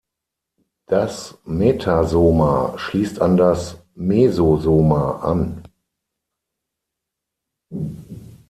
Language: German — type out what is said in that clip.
Das Metasoma schließt an das Mesosoma an.